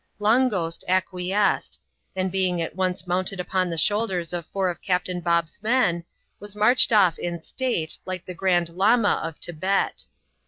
Long Ghost acquiesced ; and being at once mounted upon the shoulders of four of Captain Bob's men, was marched off in state, like the Grand Lama of Thibet.